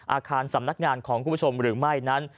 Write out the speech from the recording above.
อาคารสำนักงานของคุณผู้ชมหรือไม่นั้น